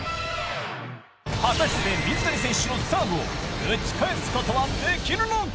果たして水谷選手のサーブを打ち返すことはできるのか？